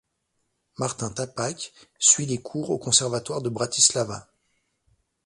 Martin Ťapák suit les cours au conservatoire de Bratislava.